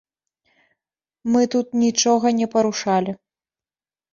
Мы тут нічога не парушалі.